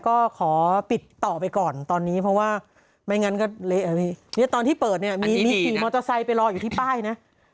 ก็ขอปิดต่อไปก่อนตอนนี้เพราะว่าไม่อย่างนั้นก็ตอนที่เปิดมีขี่มอเตอร์ไซค์ไปรออยู่ที่ป้ายนะ